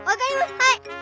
はい！